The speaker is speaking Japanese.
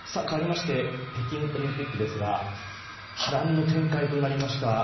かわりまして北京オリンピックですが波乱の展開となりました